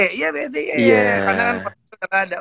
karena kan pada itu gak ada